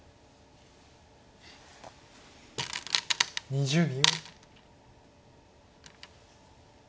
２０秒。